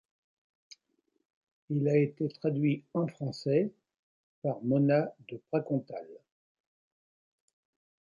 Il a été traduit en français par Mona de Pracontal.